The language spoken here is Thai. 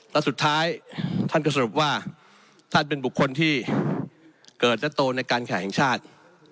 และสุดท้ายท่านก็สรุปว่าท่านเป็นบุคคลที่เกิดและโตในการแข่งชาติ